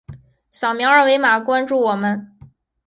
扫描二维码关注我们。